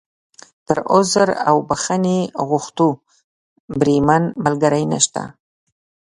تر عذر او بښنې غوښتو، بریمن ملګری نشته.